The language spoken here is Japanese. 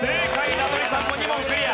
名取さんも２問クリア。